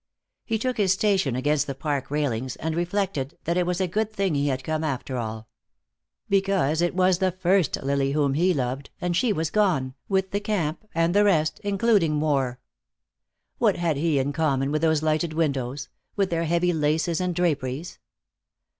He took his station against the park railings and reflected that it was a good thing he had come, after all. Because it was the first Lily whom he loved, and she was gone, with the camp and the rest, including war. What had he in common with those lighted windows, with their heavy laces and draperies?